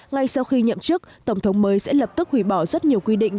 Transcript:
ngay sau khi nhậm chức tổng thống mới sẽ lập tức hủy bỏ rất nhiều quy định